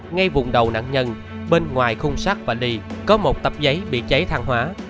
ngay vùng đầu nạn nhân bên ngoài khung sắt vali có một tập giấy bị cháy thang hóa